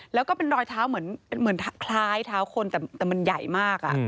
แล้วก็เป็นรอยเท้าเหมือนคล้ายเท้าคนแต่มันใหญ่มาก